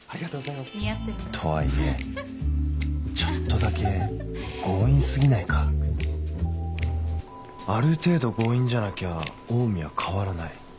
とはいえちょっとだけ強引過ぎないか？ある程度強引じゃなきゃオウミは変わらない